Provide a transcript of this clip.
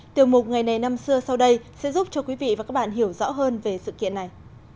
tiểu mục ngày này năm xưa sau đây sẽ giúp cho quý vị và các bạn hiểu rõ hơn về sự kiện này